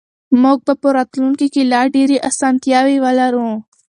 موږ به په راتلونکي کې لا ډېرې اسانتیاوې ولرو.